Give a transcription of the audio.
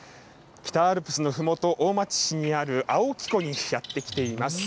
北アルプスのふもと、大町市にある青木湖にやって来ています。